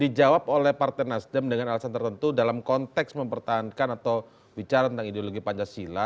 dijawab oleh partai nasdem dengan alasan tertentu dalam konteks mempertahankan atau bicara tentang ideologi pancasila